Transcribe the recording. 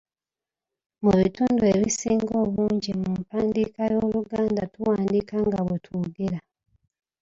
Mu bitundu ebisinga obungi mu mpandiika y'Oluganda, tuwandiika nga bwe twogera.